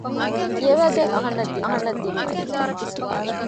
އޭނާއަށް ކިޔަވާ ދޭން އަހަންނަށް ދިމާވީ އިއްތިފާގަކުން